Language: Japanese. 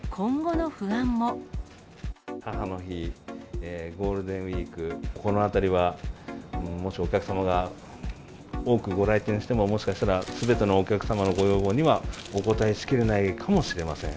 母の日、ゴールデンウィーク、このあたりは、もしお客様が多くご来店しても、もしかしたらすべてのお客様のご要望にはお応えしきれないかもしれません。